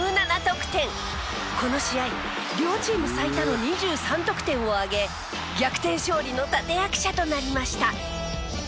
この試合両チーム最多の２３得点を挙げ逆転勝利の立役者となりました。